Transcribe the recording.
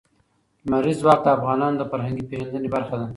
لمریز ځواک د افغانانو د فرهنګي پیژندنې برخه ده.